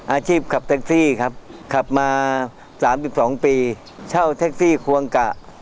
อาชีพขับแท็กซี่ครับขับมา๓๒ปีเช่าแท็กซี่ควงกะ